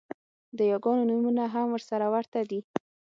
د یاګانو نومونه هم سره ورته دي